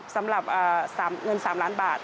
สำหรับเงิน๓ล้านบาท